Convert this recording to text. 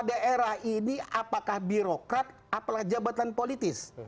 daerah ini apakah birokrat apakah jabatan politis